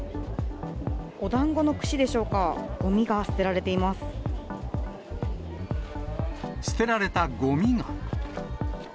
おだんごの串でしょうか、捨てられたごみが。